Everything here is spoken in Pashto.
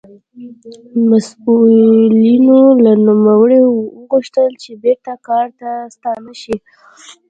مسوولینو له نوموړي وغوښتل چې بېرته کار ته ستانه شي.